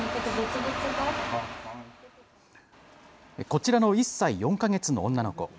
こちらの１歳４か月の女の子。